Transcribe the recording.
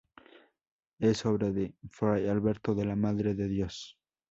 Es obra de fray Alberto de la Madre de Dios.